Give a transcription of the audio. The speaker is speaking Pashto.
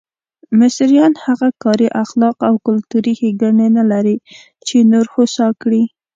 مصریان هغه کاري اخلاق او کلتوري ښېګڼې نه لري چې نور هوسا کړي.